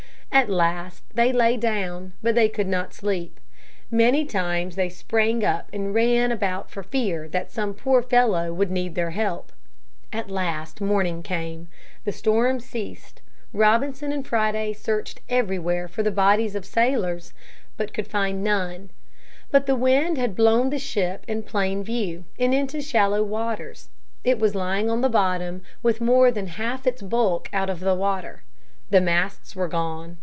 At last they lay down, but they could not sleep. Many times they sprang up and ran about for fear that some poor fellow would need their help. At last morning came. The storm ceased. Robinson and Friday searched everywhere for the bodies of the sailors, but could find none. But the wind had blown the ship in plain view, and into shallow waters. It was lying on the bottom with more than half its bulk out of the water. The masts were gone.